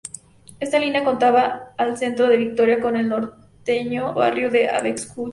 Esta línea conectaba al centro de Vitoria con el norteño barrio de Abetxuko.